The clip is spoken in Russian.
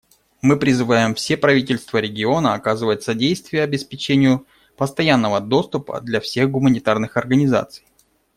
Мы призывам все правительства региона оказывать содействие обеспечению постоянного доступа для всех гуманитарных организаций.